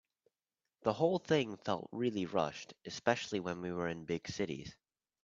The whole thing felt really rushed, especially when we were in big cities.